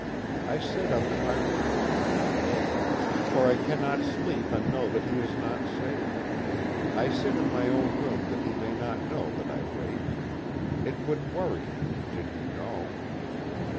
I sit up in my room if he is late, for I cannot sleep and know that he is not safe; I sit in my own room that he may not know that I wait. It would worry him, did he know.